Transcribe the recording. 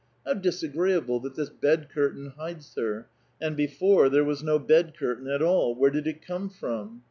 How disagreeable, that this bed curtain hides her — and before there was no bed curtain at all : where did it come from